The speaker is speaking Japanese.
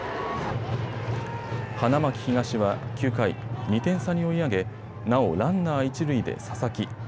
花巻東は９回、２点差に追い上げなおランナー一塁で佐々木。